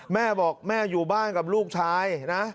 แม่บอกแม่อยู่บ้านกับลูกชายนะ